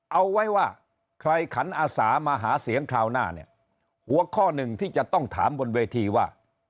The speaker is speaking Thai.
เอาไว้ว่าใครขันอาสามาหาเสียงคราวหน้าเนี่ยหัวข้อหนึ่งที่จะต้องถามบนเวทีว่า